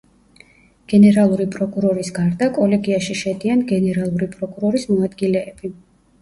გენერალური პროკურორის გარდა, კოლეგიაში შედიან გენერალური პროკურორის მოადგილეები.